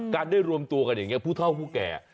การได้รวมตัวกันอย่างนี้ภูเข้าภูแก่